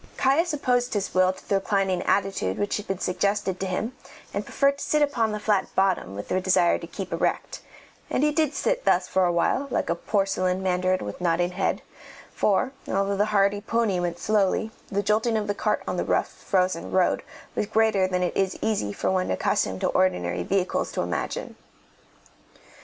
Caius opposed his will to the reclining attitude which had been suggested to him, and preferred to sit upon the flat bottom with the desire to keep erect; and he did sit thus for awhile, like a porcelain mandarin with nodding head, for, although the hardy pony went slowly, the jolting of the cart on the rough, frozen road was greater than it is easy for one accustomed to ordinary vehicles to imagine.